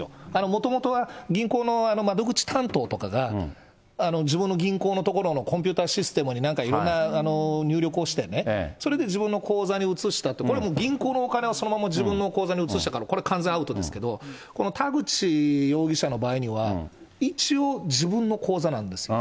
もともとは、銀行の窓口担当とかが、自分の銀行のところのコンピューターシステムに何かいろんな入力をしてね、それで自分の口座に移したって、これもう、銀行のお金を、そのまま自分の口座に移したから、これ完全アウトですけど、この田口容疑者の場合には、一応、自分の口座なんですよ。